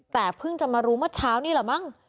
แต่เพิ่งจะมารู้เมื่อเช้านี่แหละมั้ง